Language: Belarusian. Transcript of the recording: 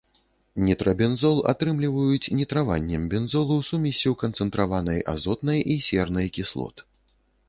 Нітрабензол атрымліваюць нітраваннем бензолу сумессю канцэнтраванай азотнай і сернай кіслот.